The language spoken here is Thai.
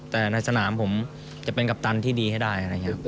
แต่ในสนามผมจะเป็นกัปตันที่ดีให้ได้